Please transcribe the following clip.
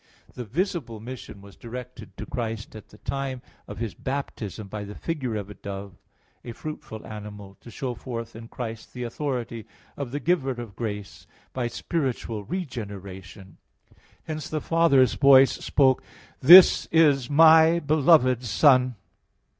The visible mission was directed to Christ at the time of His baptism by the figure of a dove, a fruitful animal, to show forth in Christ the authority of the giver of grace by spiritual regeneration; hence the Father's voice spoke, "This is My beloved Son" (Matt.